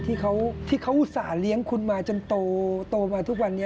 ที่เขาอุตส่าห์เลี้ยงคุณมาจนโตมาทุกวันนี้